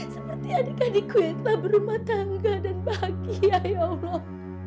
seperti adik adikku yang telah berumah tangga dan bahagia ya allah